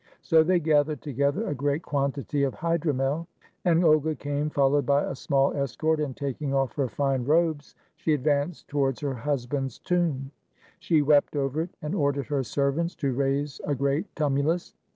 So they gathered together a great quantity of hydromel, and Olga came, followed by a small escort, and taking off her fine robes, she advanced towards her husband's tomb; she wept over it, and ordered her servants to raise a great tumulus.